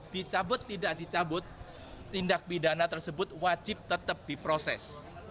dicabut tidak dicabut tindak pidana tersebut wajib tetap diproses